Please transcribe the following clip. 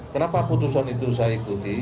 kenapa putusan itu saya ikuti